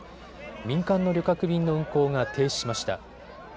民間の旅客便の運航が停止しました。